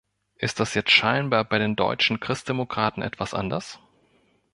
Ist das jetzt scheinbar bei den deutschen Christdemokraten etwas anders?